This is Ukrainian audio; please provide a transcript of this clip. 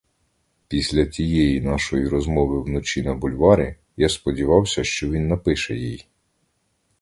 Після тієї нашої розмови вночі на бульварі я сподівався, що він напише їй.